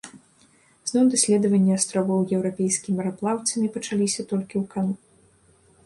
Зноў даследаванні астравоў еўрапейскімі мараплаўцамі пачаліся толькі ў кан.